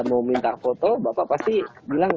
mau minta foto bapak pasti bilang